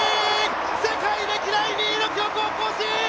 世界歴代２位の記録を更新！